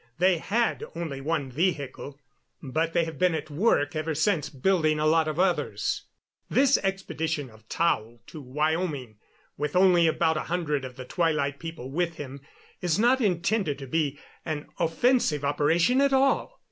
They had only one vehicle, but they have been at work ever since building a lot of others. "This expedition of Tao to Wyoming with only about a hundred of the Twilight People with him is not intended to be an offensive operation at all.